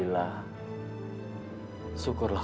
dia sudah berjalan